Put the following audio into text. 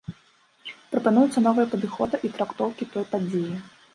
Прапануюцца новыя падыходы і трактоўкі той падзеі.